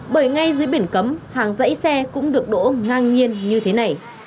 bởi ngay dưới biển cấm hàng dãy xe cũng được đỗ ngang nhiên như thế này